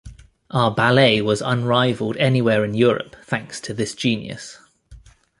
Our ballet was unrivaled anywhere in Europe thanks to this genius.